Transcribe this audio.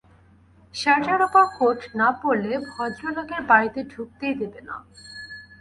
শার্টের উপর কোট না পরলে, ভদ্রলোকের বাড়ী ঢুকতেই দেবে না।